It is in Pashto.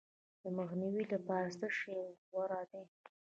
د مخنیوي لپاره څه شی غوره دي؟